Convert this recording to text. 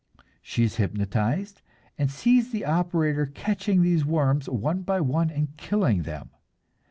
She is hypnotized and sees the operator catching these worms one by one and killing them.